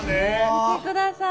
見てください。